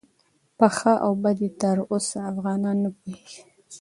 په ښه او بد یې تر اوسه افغانان نه پوهیږي.